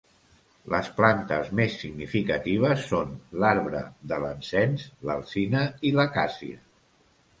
Les plantes més significatives són l'arbre de l'encens, l'alzina i l'acàcia.